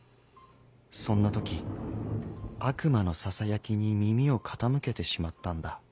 そんな時悪魔のささやきに耳を傾けてしまったんだ。